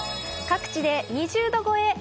各地で２０度超え。